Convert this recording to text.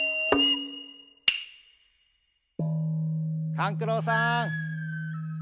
・勘九郎さん。